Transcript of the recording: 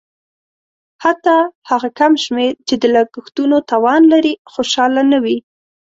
حتی هغه کم شمېر چې د لګښتونو توان لري خوشاله نه وي.